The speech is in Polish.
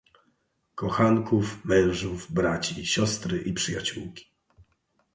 "kochanków, mężów, braci, siostry i przyjaciółki?"